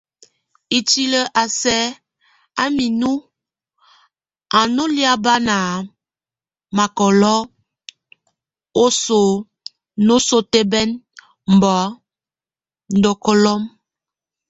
I tili a sɛk a minu, aŋó lia ba na makolo, ɔ só ŋosotɛbɛn, mbo ndokolom.